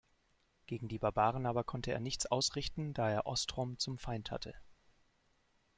Gegen die Barbaren aber konnte er nichts ausrichten, da er Ostrom zum Feind hatte".